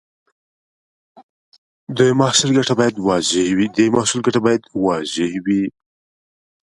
د محصول ګټه باید واضح وي.